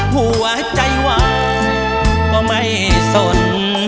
หัวใจวายก็ไม่สน